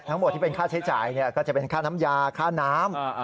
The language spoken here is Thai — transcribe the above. ทั้งหมดที่เป็นค่าใช้จ่ายก็จะเป็นค่าน้ำยาค่าน้ำ